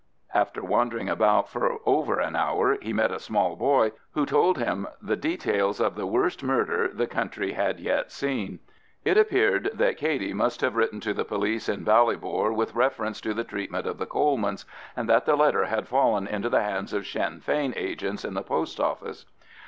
After wandering about for over an hour he met a small boy, who told him the details of the worst murder the country had yet seen. It appeared that Katey must have written to the police in Ballybor with reference to the treatment of the Colemans, and that the letter had fallen into the hands of Sinn Fein agents in the post office.